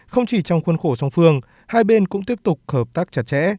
không chỉ trong khuôn khổ song phương hai bên cũng tiếp tục hợp tác chặt chẽ